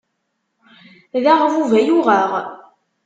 D aɣbub ay uɣeɣ.